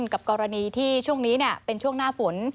กับกรณีที่ช่วงนี้เป็นช่วงหน้าฝน